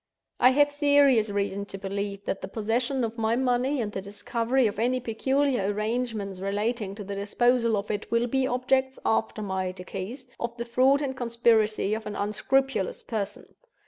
"I have serious reason to believe that the possession of my money, and the discovery of any peculiar arrangements relating to the disposal of it, will be objects (after my decease) of the fraud and conspiracy of an unscrupulous person.